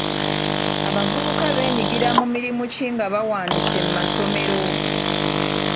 Abavubuka beenyigira mu mirimu ki nga bawanduse mu masomero?